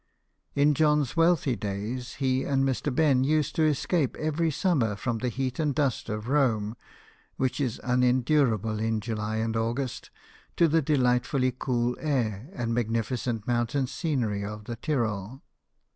In John's wealthy days, he and Mr. Ben used to escape every summer from the heat and dust of Rome which is unendurable 82 BIOGRAPHIES OF WORKING MEX. in July and August to the delightfully cool air and magnificent mountain scenery of the Tyrol.